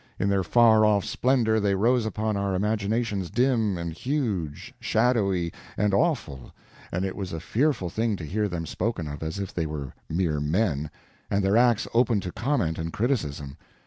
In their far off splendor they rose upon our imaginations dim and huge, shadowy and awful, and it was a fearful thing to hear them spoken of as if they were mere men, and their acts open to comment and criticism.